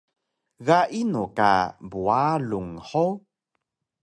Ga inu ka Buarung hug?